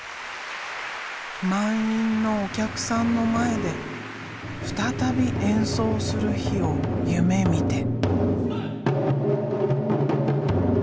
満員のお客さんの前で再び演奏する日を夢みて。